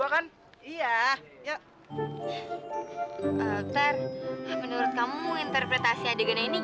apa yang kamu inginkan untuk menginterpretasi adegan ini